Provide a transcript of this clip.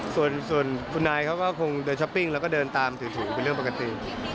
ส่วนคุณนายเขาก็คงเดินช้อปปิ้งแล้วก็เดินตามถือเป็นเรื่องปกติ